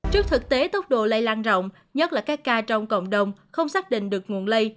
trước thực tế tốc độ lây lan rộng nhất là các ca trong cộng đồng không xác định được nguồn lây